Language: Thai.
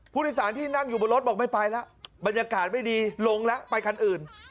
ผู้โดยสารที่นั่งอยู่บนรถบอกไม่ไปแล้วบรรยากาศไม่ดีลงแล้วไปคันอื่น